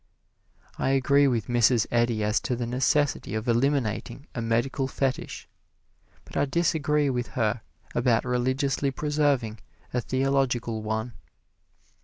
I agree with Mrs. Eddy as to the necessity of eliminating a medical fetish, but I disagree with her about religiously preserving a theological one.